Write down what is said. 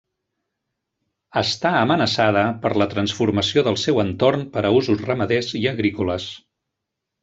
Està amenaçada per la transformació del seu entorn per a usos ramaders i agrícoles.